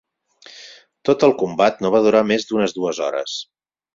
Tot el combat no va durar més d'unes dues hores.